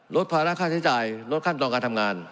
ลดภาระค่าใช้จ่ายลดขั้นตอนการทำงาน